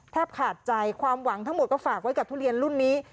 ขาดใจความหวังทั้งหมดก็ฝากไว้กับทุเรียนรุ่นนี้